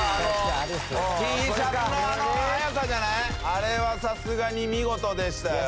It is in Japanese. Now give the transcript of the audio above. あれはさすがに見事でしたよ。